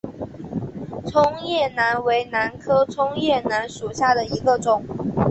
葱叶兰为兰科葱叶兰属下的一个种。